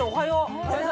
おはよう。